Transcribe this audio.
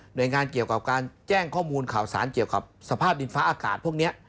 โดยงานเกี่ยวกับการแจ้งข้อมูลข่าวสารเกี่ยวกับสภาพดินฟ้าอากาศพวกนี้